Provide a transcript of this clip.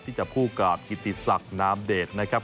จับคู่กับกิติศักดิ์นามเดชนะครับ